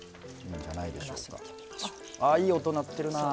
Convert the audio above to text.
あいい音鳴ってるなあ。